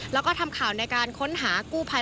แล้วก็ทำข่าวในการค้นหากู้ภัย